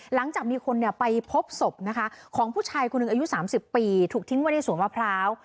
หลังจากมีคนไปพบศพของผู้ชายคุณหนึ่งอายุ๓๐ปีถูกทิ้งวัดที่สวมพร้าว